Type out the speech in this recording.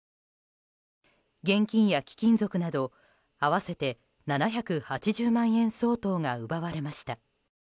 現金や貴金属など合わせて７８０万円相当が奪われました。